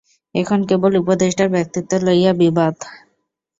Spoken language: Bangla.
এখন কেবল উপদেষ্টার ব্যক্তিত্ব লইয়া বিবাদ।